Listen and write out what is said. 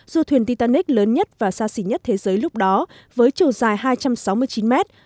du thuyền titanic lớn nhất và xa xỉ nhất thế giới lúc đó với chiều dài hai trăm sáu mươi chín mét